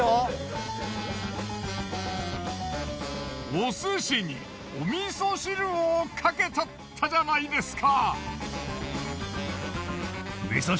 お寿司におみそ汁をかけちゃったじゃないですか！